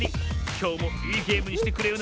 きょうもいいゲームにしてくれよ